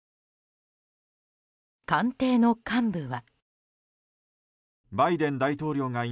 官邸の幹部は。